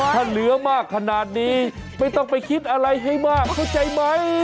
ถ้าเนื้อมากขนาดนี้ไม่ต้องไปคิดอะไรให้มากเข้าใจไหม